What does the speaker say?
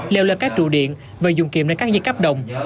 leo lên các trụ điện và dùng kiệm để cắt dây cắp đồng